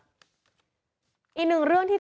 อีกหนึ่งเรื่อง